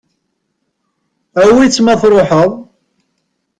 Awi-tt ma truḥeḍ.